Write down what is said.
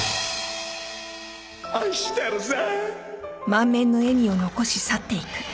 愛してるぜ。